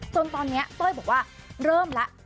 จนตอนนี้เต้ยบอกว่าเริ่มแล้ว